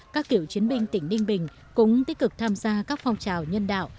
các cựu chiến binh tỉnh đinh bình cũng tích cực tham gia các phong trào nhân đạo